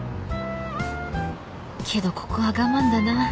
けどここは我慢だな。